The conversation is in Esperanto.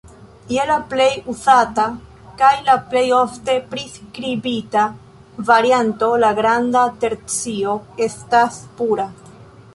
Je la plej uzata kaj la plejofte priskribita varianto la granda tercio estas pura.